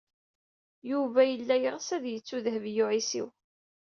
Yuba yella yeɣs ad yettu Dehbiya u Ɛisiw.